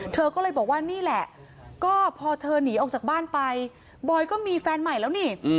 เธอก็เลยบอกว่านี่แหละก็พอเธอหนีออกจากบ้านไปบอยก็มีแฟนใหม่แล้วนี่